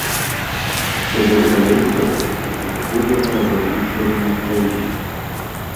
То бок далейшага і канчатковага абязлічвання краіны.